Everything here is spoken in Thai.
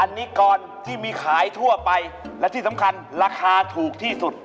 อันนี้กรที่มีขายทั่วไปและที่สำคัญราคาถูกที่สุด